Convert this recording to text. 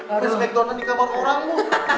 udah se backdown an di kamar orangmu